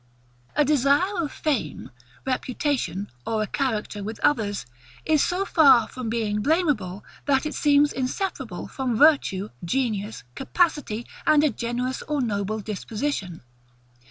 A desire of fame, reputation, or a character with others, is so far from being blameable, that it seems inseparable from virtue, genius, capacity, and a generous or noble disposition.